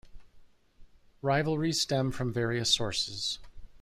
Rivalries stem from various sources.